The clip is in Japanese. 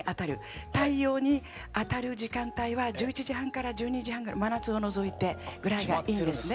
太陽に当たる時間帯は１１時半から１２時半ぐらい真夏を除いてぐらいがいいんですね。